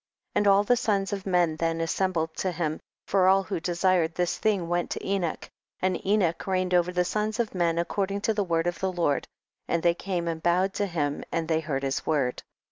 7. And all the sons of men then assembled to him, for all who desired this thing went to Enoch, and Enoch reigned over the sons of men accor ding to the word of the Lord, and they came and bowed to him and they heard his word.